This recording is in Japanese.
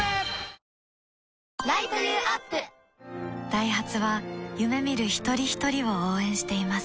ダイハツは夢見る一人ひとりを応援しています